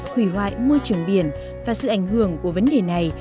hủy hoại môi trường biển và sự ảnh hưởng của vấn đề này